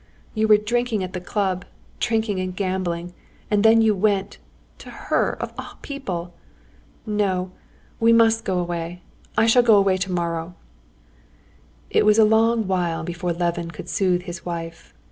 You were drinking at the club, drinking and gambling, and then you went ... to her of all people! No, we must go away.... I shall go away tomorrow." It was a long while before Levin could soothe his wife.